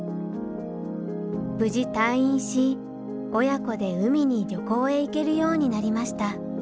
無事退院し親子で海に旅行へ行けるようになりました。